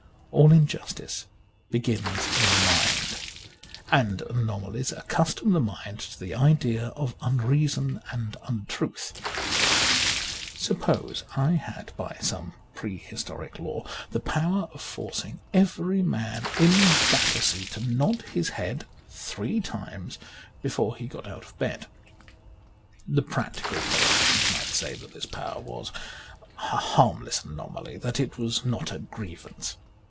All injustice begins in the mind : and anomalies accustom the mind to the idea of unreason and untruth. Suppose I had by some prehistoric law the power of forcing every man in Battersea to nod his head three times before he got out of bed : the practical politicians might say that this power was a harmless anomaly, that it was not a grievance.